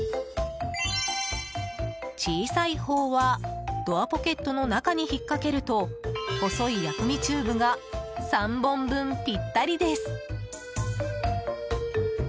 小さいほうはドアポケットの中に引っかけると細い薬味チューブが３本分ぴったりです。